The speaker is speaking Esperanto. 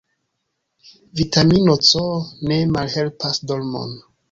Vitamino C ne malhelpas dormon.